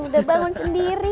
udah bangun sendiri ya